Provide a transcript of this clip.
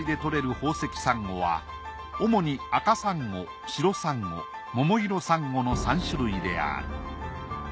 宝石サンゴは主にアカサンゴシロサンゴモモイロサンゴの３種類である。